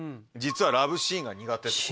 「実はラブシーンが苦手」。